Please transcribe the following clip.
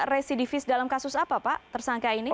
residivis dalam kasus apa pak tersangka ini